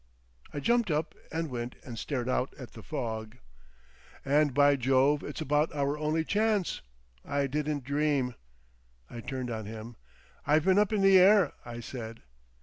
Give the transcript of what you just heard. I jumped up and went and stared out at the fog. "And, by Jove, it's about our only chance! I didn't dream." I turned on him. "I've been up in the air," I said.